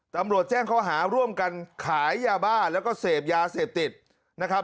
ตำรวจแจ้งข้อหาร่วมกันขายยาบ้าแล้วก็เสพยาเสพติดนะครับ